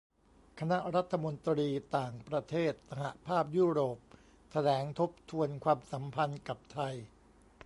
คณะรัฐมนตรีต่างประเทศสหภาพยุโรปแถลงทบทวนความสัมพันธ์กับไทย